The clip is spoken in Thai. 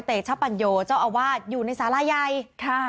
เตชปัญโยเจ้าอาวาสอยู่ในสาราใหญ่ค่ะ